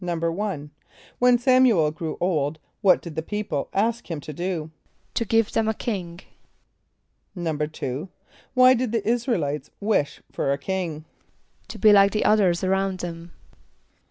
= When S[)a]m´u el grew old, what did the people ask him to do? =To give them a king.= =2.= Why did the [)I][s+]´ra el [=i]tes wish for a king? =To be like the others around them.